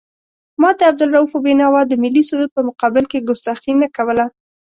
ما د عبدالرؤف بېنوا د ملي سرود په مقابل کې کستاخي نه کوله.